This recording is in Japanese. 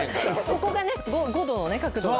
ここで５度の角度。